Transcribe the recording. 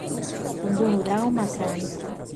Cun unu tràuma crànicu.